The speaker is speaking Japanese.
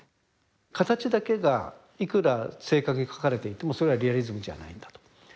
形だけがいくら正確に描かれていてもそれはリアリズムじゃないんだと。